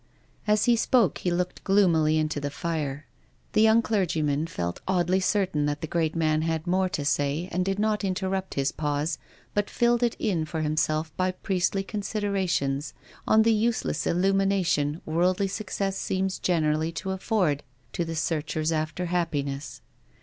As he spoke, he looked gloomily into the fire. The young clergyman felt oddly certain that the great man had more to say, and did not interrupt his pause, but filled it in for himself by priestly considerations on the useless illumination worldly success seems generally to afford to the searchers after happiness.